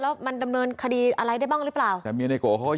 แล้วมันดำเนินคารีอะไรได้บ้างหรือเปล่าแล้วมีในโกยยืน